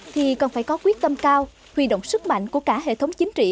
thì cần phải có quyết tâm cao huy động sức mạnh của cả hệ thống chính trị